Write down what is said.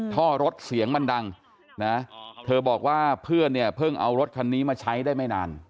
ท่อรถเสียงมันดังนะเธอบอกว่าเพื่อนเนี่ยเพิ่งเอารถคันนี้มาใช้ได้ไม่นาน